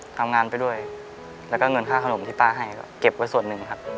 ทำงานไปด้วยแล้วก็เงินค่าขนมที่ป้าให้ก็เก็บไว้ส่วนหนึ่งครับ